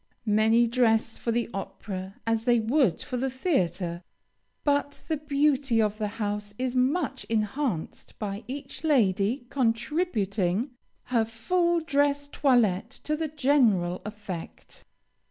Many dress for the opera as they would for the theatre; but the beauty of the house is much enhanced by each lady contributing her full dress toilette to the general effect.